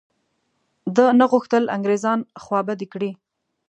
ده نه غوښتل انګرېزان خوابدي کړي.